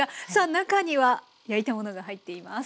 中には焼いたものが入っています。